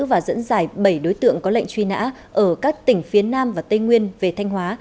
và dẫn dài bảy đối tượng có lệnh truy nã ở các tỉnh phía nam và tây nguyên về thanh hóa